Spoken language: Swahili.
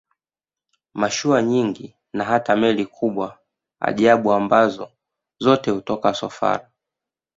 Mashua nyingi na hata meli kubwa ajabu ambazo zote hutoka Sofala